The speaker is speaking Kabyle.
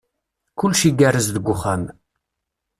Kullec igerrez deg uxxam.